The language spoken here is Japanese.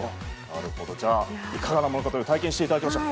じゃあ、いかがなものか体験していただきましょう。